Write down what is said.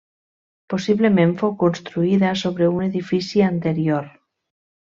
Possiblement fou construïda sobre un edifici anterior.